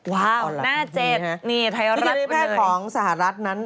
ว้าวหน้าเจ็บนี่ไทยรัฐมันเลยสุธินริแพทย์ของสหรัฐนั้น